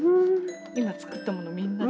今作ったものみんなで。